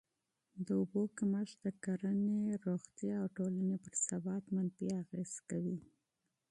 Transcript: د اوبو کمښت د کرهڼې، روغتیا او ټولني پر ثبات منفي اغېز کوي.